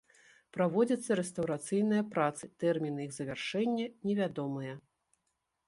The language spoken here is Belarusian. Праводзяцца рэстаўрацыйныя працы, тэрміны іх завяршэння невядомыя.